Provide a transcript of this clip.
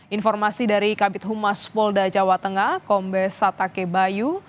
informasi dari kabit humas polda jawa tengah kombes satake bayu